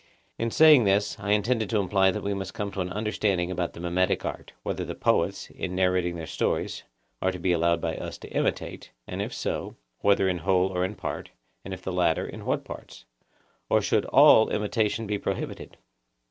In saying this, I intended to imply that we must come to an understanding about the mimetic art,—whether the poets, in narrating their stories, are to be allowed by us to imitate, and if so, whether in whole or in part, and if the latter, in what parts; or should all imitation be prohibited?